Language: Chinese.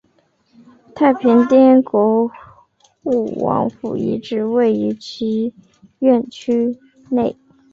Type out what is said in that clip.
太平天国护王府遗址位于其院区内。